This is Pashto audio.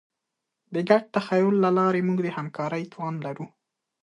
د ګډ تخیل له لارې موږ د همکارۍ توان لرو.